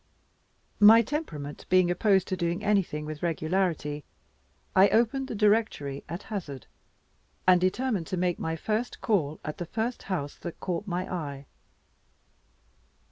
My temperament being opposed to doing anything with regularity, I opened the directory at hazard, and determined to make my first call at the first house that caught my eye.